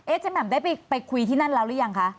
เจ๊แหม่มได้ไปคุยที่นั่นแล้วหรือยังคะ